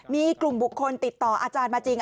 มีกลุ่มบุคคลติดต่ออาจารย์มาจริง